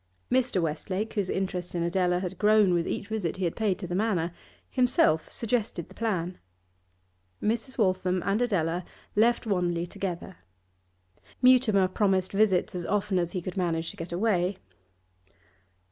Mr. Westlake, whose interest in Adela had grown with each visit he paid to the Manor, himself suggested the plan. Mrs. Waltham and Adela left Wanley together; Mutimer promised visits as often as he could manage to get away.